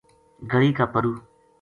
گلی کا پرُو